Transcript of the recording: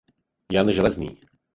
Jan Železný.